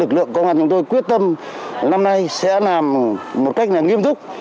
lực lượng công an chúng tôi quyết tâm năm nay sẽ làm một cách nghiêm túc